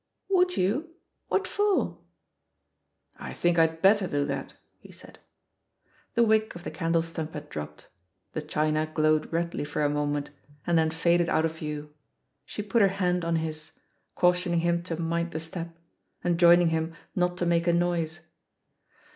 'Would you? What for?" 1 think I'd better do that," he said. The wick of the candle stump had dropped; the china glowed redly for a moment, and then faded out of view. She put her hand on his, cautioning him to "mind the step," enjoining him "not to make a noise."